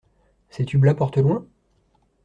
Ces tubes-là portent loin?